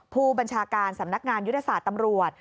ผู้บัญชาการสำนักงานยุทธศาสตร์ตำรวจ